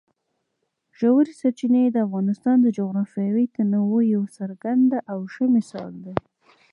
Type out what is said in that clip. ژورې سرچینې د افغانستان د جغرافیوي تنوع یو څرګند او ښه مثال دی.